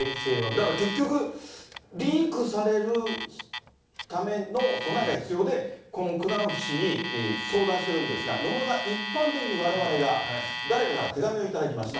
だから結局、リークされるための備えが必要で、このクナウフ氏に相談してるんですが、野村さん、一般的に、われわれが、誰かから手紙を頂きました。